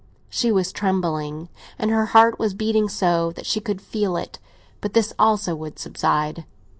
She was trembling, and her heart was beating so that she could feel it; but this also would subside.